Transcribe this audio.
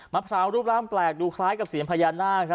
พร้าวรูปร่างแปลกดูคล้ายกับเสียงพญานาค